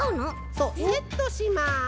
そうセットします。